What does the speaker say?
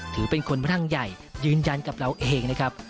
ถือเป็นคนพลังใหญ่ยืนยันกับเราเองนะครับ